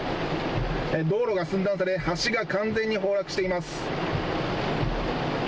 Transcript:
道路が寸断され橋が完全に崩落しています。